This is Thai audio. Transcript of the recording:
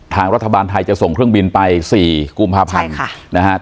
ทางรัฐบาลไทยจะส่งเครื่องบินไป๔กุมภาพันธ์นะฮะ